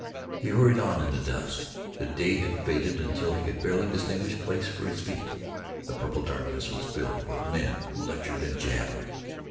He hurried on in the dusk. The day had faded until he could barely distinguish place for his feet. The purple darkness was filled with men who lectured and jabbered.